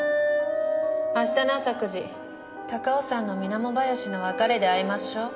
明日の朝９時高尾山の水面林の別れで会いましょう。